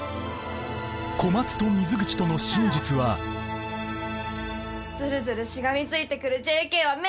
小松と水口との真実は「ずるずるしがみついてくるＪＫは面倒だ」だって。